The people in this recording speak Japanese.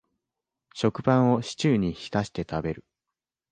食パンをシチューに浸して食べる